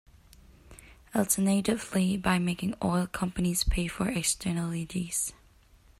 Alternatively, by making oil companies pay for externalities.